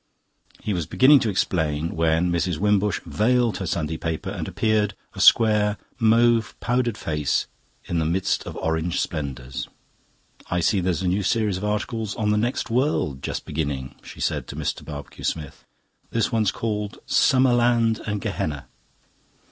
He was beginning to explain, when Mrs. Wimbush vailed her Sunday paper, and appeared, a square, mauve powdered face in the midst of orange splendours. "I see there's a new series of articles on the next world just beginning," she said to Mr. Barbecue Smith. "This one's called 'Summer Land and Gehenna.